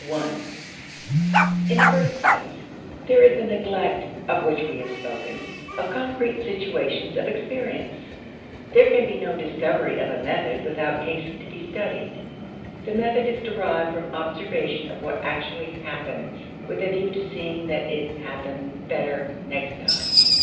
(I) In the first place, there is the neglect (of which we have spoken) of concrete situations of experience. There can be no discovery of a method without cases to be studied. The method is derived from observation of what actually happens, with a view to seeing that it happen better next time.